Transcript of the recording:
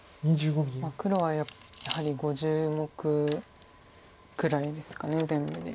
黒はやはり５０目くらいですか全部で。